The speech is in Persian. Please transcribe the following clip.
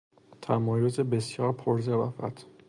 تمایز بسیار پرظرافت